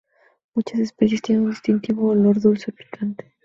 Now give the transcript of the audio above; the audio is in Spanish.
Muchas especies tienen un distintivo olor dulce o picante.